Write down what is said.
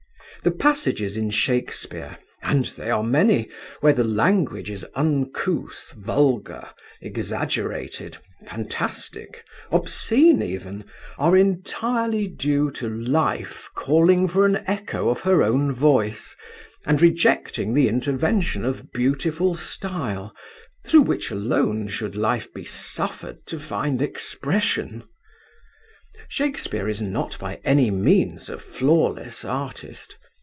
The passages in Shakespeare—and they are many—where the language is uncouth, vulgar, exaggerated, fantastic, obscene even, are entirely due to Life calling for an echo of her own voice, and rejecting the intervention of beautiful style, through which alone should life be suffered to find expression. Shakespeare is not by any means a flawless artist.